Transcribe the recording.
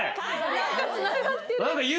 ・何かつながってる。